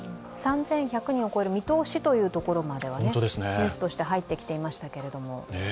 ３１００人を超える見通しというところまではニュースとして入ってきていましたけれども。